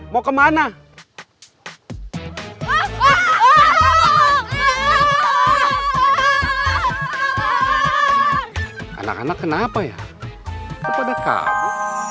mau kemana anak anak kenapa ya kepada kamu